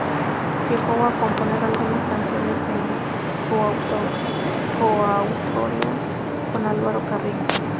Llegó a componer algunas canciones en coautoría con Álvaro Carrillo.